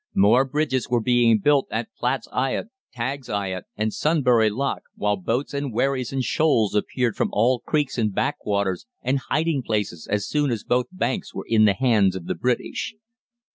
More bridges were being built at Platt's Eyot, Tagg's Eyot, and Sunbury Lock, while boats and wherries in shoals appeared from all creeks and backwaters and hiding places as soon as both banks were in the hands of the British.